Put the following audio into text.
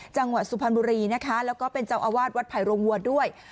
จังหวัดสุพรรณบุรีนะคะแล้วก็เป็นเจ้าอาวาสวัดไผ่โรงวัวด้วย